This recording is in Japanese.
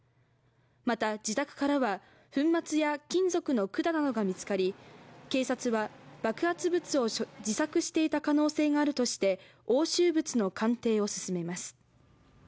また、自宅からは、粉末や金属の管などが見つかり警察は爆発物を自作していた可能性があるとていして押収物の鑑定を進めます。